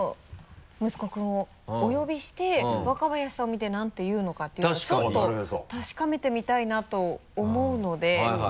息子くんをお呼びして若林さんを見て何て言うのかっていうのをちょっと確かめてみたいなと思うので。